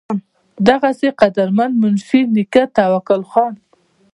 دغسې د قدرمند منشي نيکۀ توکل خان